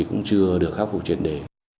cũng chưa được khắc phục triệt để